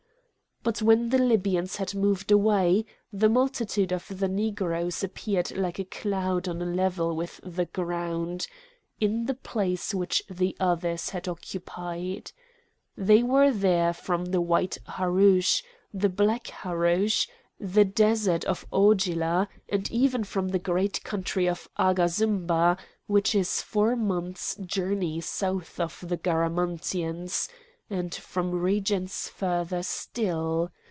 But when the Libyans had moved away, the multitude of the Negroes appeared like a cloud on a level with the ground, in the place which the others had occupied. They were there from the White Harousch, the Black Harousch, the desert of Augila, and even from the great country of Agazymba, which is four months' journey south of the Garamantians, and from regions further still!